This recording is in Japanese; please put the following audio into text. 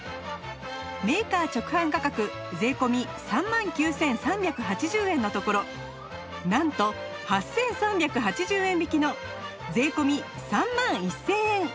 メーカー直販価格税込３万９３８０円のところなんと８３８０円引きの税込３万１０００円